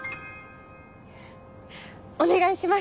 お願いします！